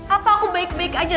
atau aku baik baik aja